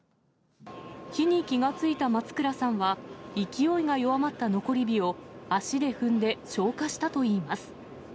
火に気が付いた松倉さんは、勢いが弱まった残り火を足で踏んで消火したといいます。